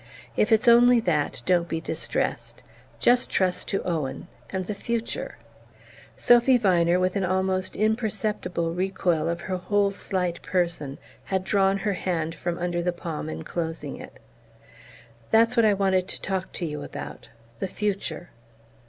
If it's only that, don't be distressed. Just trust to Owen and the future." Sophy Viner, with an almost imperceptible recoil of her whole slight person, had drawn her hand from under the palm enclosing it. "That's what I wanted to talk to you about the future."